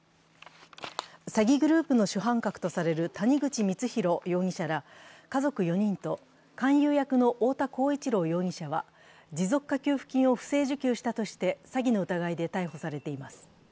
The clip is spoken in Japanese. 詐欺グループの主犯格とされる谷口光弘容疑者ら家族４人と勧誘役の太田浩一朗容疑者は、持続化給付金を不正受給したとして詐欺の疑いで逮捕されています。